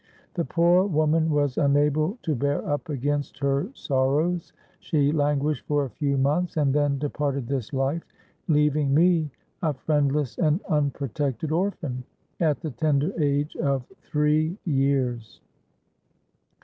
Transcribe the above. The poor woman was unable to bear up against her sorrows: she languished for a few months, and then departed this life, leaving me a friendless and unprotected orphan at the tender age of three years!